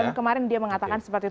yang kemarin dia mengatakan seperti itu